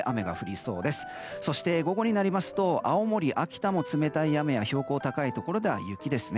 そして、午後になりますと青森、秋田も冷たい雨や標高が高いところでは雪ですね。